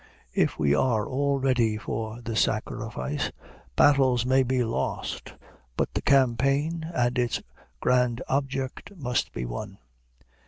If we are all ready for this sacrifice, battles may be lost, but the campaign and its grand object must be won.